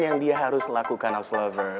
yang dia harus lakukan okslover